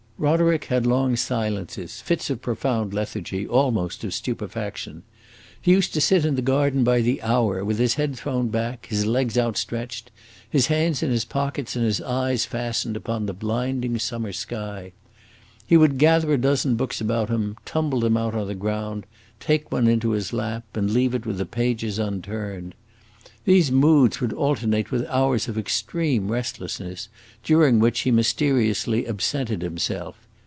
Roderick had long silences, fits of profound lethargy, almost of stupefaction. He used to sit in the garden by the hour, with his head thrown back, his legs outstretched, his hands in his pockets, and his eyes fastened upon the blinding summer sky. He would gather a dozen books about him, tumble them out on the ground, take one into his lap, and leave it with the pages unturned. These moods would alternate with hours of extreme restlessness, during which he mysteriously absented himself.